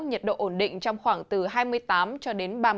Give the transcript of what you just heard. nhiệt độ ổn định trong khoảng từ hai mươi tám ba mươi một độ